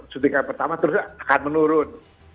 suntikan pertama terus akan menurun